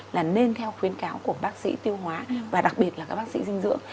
là nên theo khuyến cáo của bác sĩ tiêu hóa và đặc biệt là các bác sĩ dinh dưỡng